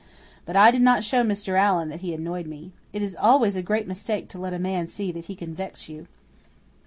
But I did not show Mr. Allan that he annoyed me. It is always a great mistake to let a man see that he can vex you.